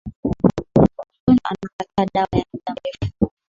mgonjwa anakataa dawa ya muda mrefu